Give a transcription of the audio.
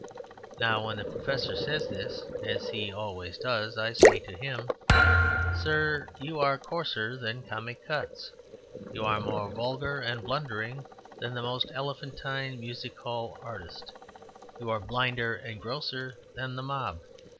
Now, when the Professor says this (as he always does), I say to him, "Sir, you are coarser than Comic Cuts. You are more vulgar and blundering than the most elephantine music hall artiste. You are blinder and grosser than the mob.